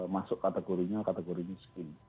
masuk kategorinya kategorinya miskin